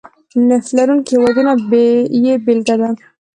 نفت لرونکي هېوادونه یې بېلګه ده.